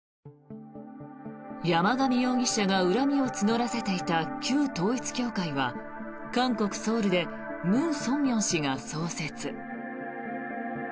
山上容疑者が恨みを募らせていた旧統一教会は韓国ソウルでムン・ソンミョン氏が創設。